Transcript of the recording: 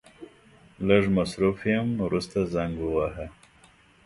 لږ مصرف يم ورسته زنګ وواهه.